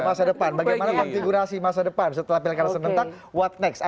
masa depan bagaimana konfigurasi masa depan setelah pilihan karakter bentang apa yang berikutnya